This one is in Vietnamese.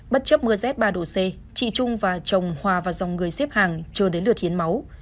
bất chấp mưa rét ba độ c chị trung và chồng hòa và dòng người xếp hàng chờ đến lượt hiến máu